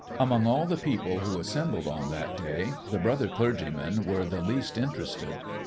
Among all the people who assembled on that day the brother clergymen were the least interested.